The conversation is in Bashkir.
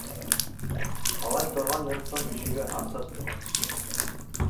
Малай торған йорттоң ишеге асыҡ ине.